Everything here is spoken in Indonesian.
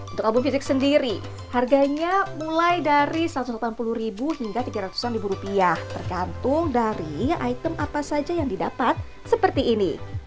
untuk album fisik sendiri harganya mulai dari rp satu ratus delapan puluh hingga tiga ratus an ribu rupiah tergantung dari item apa saja yang didapat seperti ini